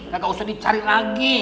gak usah dicari lagi